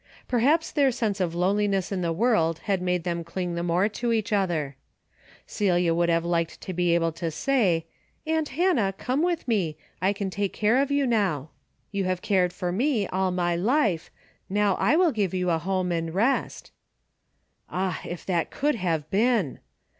Perhaps their sense of loneliness in the world had made them cling the more to each other. Celia A DAILY BATE:'> 21 would have liked to be able to say ''Aunt Hannah, come with me. I can take care of you now. You have cared for me all my life, now I will give you a home and rest." Ah ! if that could have been!